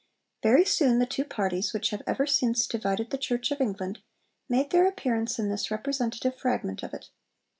Very soon the two parties, which have ever since divided the Church of England, made their appearance in this representative fragment of it.